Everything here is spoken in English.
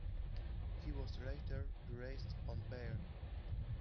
He was later released on bail.